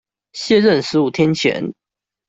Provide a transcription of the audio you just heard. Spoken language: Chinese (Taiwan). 卸任十五天前